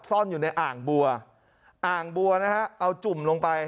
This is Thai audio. ซ่อนอยู่ในอ่างบัวอ่างบัวนะฮะเอาจุ่มลงไป